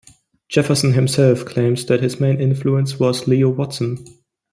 Jefferson himself claims that his main influence was Leo Watson.